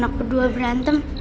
itu anak kedua berantem